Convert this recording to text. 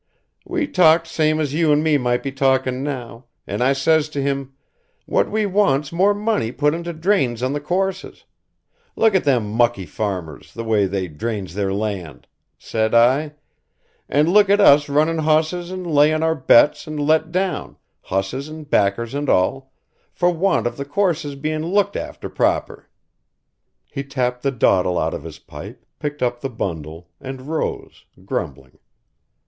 We talked same as you and me might be talkin' now, and I says to him: 'What we want's more money put into drains on the courses. Look at them mucky farmers they way they drains their land,' said I, 'and look at us runnin' hosses and layin' our bets and let down, hosses and backers and all, for want of the courses bein' looked after proper.'" He tapped the dottle out of his pipe, picked up the bundle, and rose grumbling.